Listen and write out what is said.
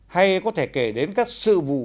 hay có thể kể đến các sự vụ